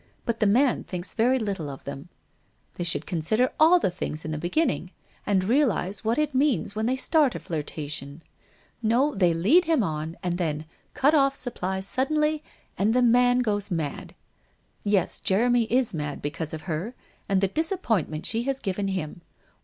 But the man thinks very little of them. They should consider all these things in the beginning and realize WHITE ROSE OF WEARY LEAF 397 what it means when they start a flirtation. No, they lead him on, and then cut off supplies suddenly, and the man goes mad. Yes, Jeremy is mad because of her, and the disappointment she has given him.